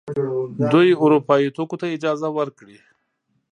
دوی اروپايي توکو ته اجازه ورکړي.